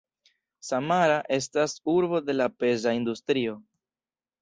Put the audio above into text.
Samara estas urbo de la peza industrio.